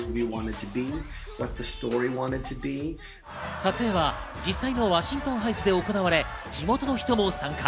撮影は実際のワシントン・ハイツで行われ地元の人も参加。